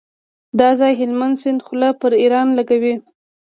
دا ځای هلمند سیند خوله پر ایران لګوي.